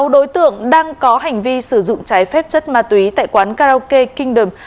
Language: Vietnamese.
sáu đối tượng đang có hành vi sử dụng trái phép chất ma túy tại quán karaoke kingdom